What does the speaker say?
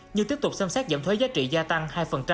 như tiếp tục xem xét giảm thuế giá trị gia tăng hai